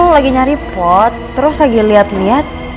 lagi nyari pot terus lagi liat liat